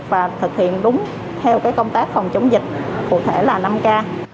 và thực hiện đúng theo cái công tác phòng chống dịch phụ thể là năm k